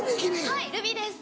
はいルビーです。